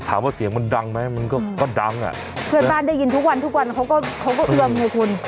ถามว่าเสียงมันดังไหมมันก็ก็ดังอ่ะเพื่อนบ้านได้ยินทุกวันทุกวันเขาก็เขาก็เอือมไงคุณ